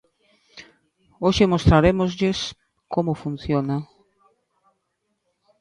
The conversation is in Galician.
Hoxe mostrarémoslles como funciona.